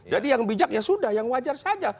jadi yang bijak ya sudah yang wajar saja